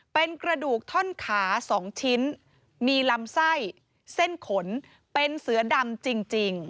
เป็นกระดูกท่อนขา๒ชิ้นมีลำไส้เส้นขนเป็นเสือดำจริง